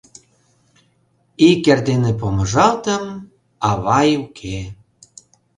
Ик эрдене помыжалтым — авай уке.